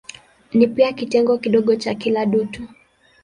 Ni pia kitengo kidogo cha kila dutu.